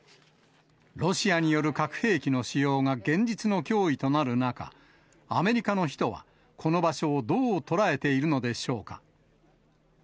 ロシアによる核兵器の使用が現実の脅威となる中、アメリカの人は、この場所をどう捉えているのでしょうか。